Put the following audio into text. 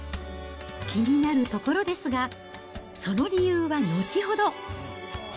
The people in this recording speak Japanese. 気になるところですが、その理由はのちほど。